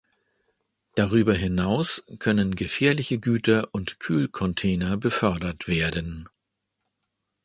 Darüber hinaus können gefährliche Güter und Kühlcontainer befördert werden.